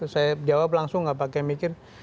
saya jawab langsung nggak pakai mikir